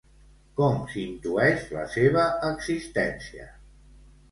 Com s'intueix la seva existència?